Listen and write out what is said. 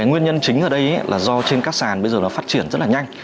nguyên nhân chính ở đây là do trên các sàn bây giờ nó phát triển rất là nhanh